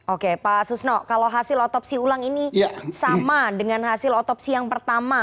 oke pak susno kalau hasil otopsi ulang ini sama dengan hasil otopsi yang pertama